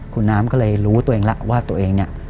คุณน้ำก็เลยรู้ตัวเองแล้วว่าตัวเองเนี่ย